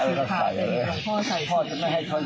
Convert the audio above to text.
เกษนาพ่อคอยยึดพ่อกันเยอะแยะกับหมาก่อน